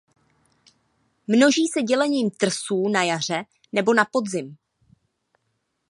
Množí se dělením trsů na jaře nebo na podzim.